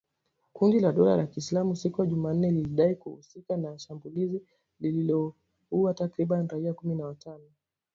Kundi la dola ya Kiislamu siku ya Jumanne ,lilidai kuhusika na shambulizi lililoua takribani raia kumi na watano